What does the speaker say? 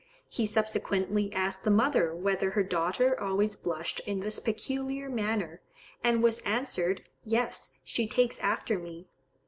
He subsequently asked the mother whether her daughter always blushed in this peculiar manner; and was answered, "Yes, she takes after me."